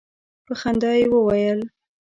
په خندا یې وویل.